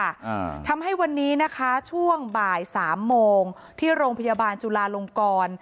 อ่าทำให้วันนี้นะคะช่วงบ่ายสามโมงที่โรงพยาบาลจุลาลงกร